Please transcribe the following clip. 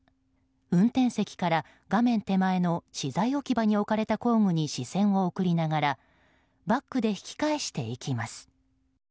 運転席から画面手前の資材置き場に置かれた工具に視線を送りながらバックで引き返していきます。